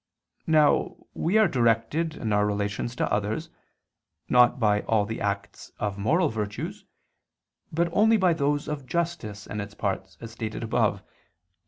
Now we are directed in our relations to others, not by all the acts of moral virtues, but only by those of justice and its parts, as stated above (Q.